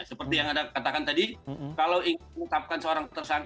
seperti yang anda katakan tadi kalau ingin menetapkan seorang tersangka